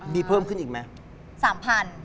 นี่เพิ่มขึ้นอีกไหม